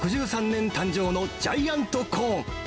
１９６３年誕生のジャイアントコーン。